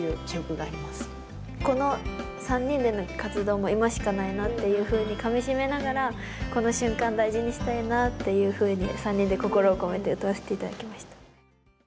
この３人での活動も今しかないなっていうふうにかみしめながらこの瞬間大事にしたいなっていうふうに３人で心を込めて歌わせて頂きました。